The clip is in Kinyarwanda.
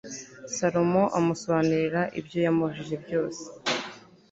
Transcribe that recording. salomo amusobanurira ibyo yamubajije byose